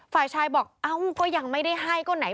ฝ่ายชายบอกเอ้าก็ยังไม่ได้ให้ก็ไหน